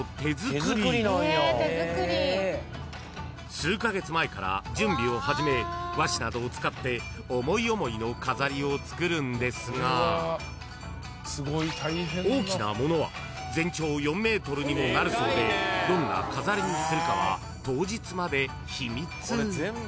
［数カ月前から準備を始め和紙などを使って思い思いの飾りを作るんですが大きなものは全長４ｍにもなるそうでどんな飾りにするかは当日まで秘密］